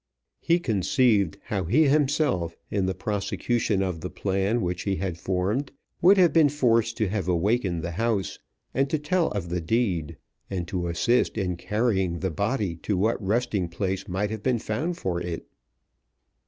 He conceived how he himself, in the prosecution of the plan which he had formed, would have been forced to have awakened the house, and to tell of the deed, and to assist in carrying the body to what resting place might have been found for it.